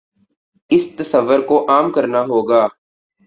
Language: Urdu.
اس تصور کو عام کرنا ہو گا۔